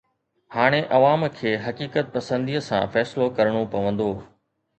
هاڻي عوام کي حقيقت پسنديءَ سان فيصلو ڪرڻو پوندو.